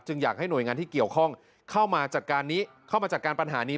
จึงอยากให้หน่วยงานที่เกี่ยวข้องเข้ามาจัดการปัญหานี้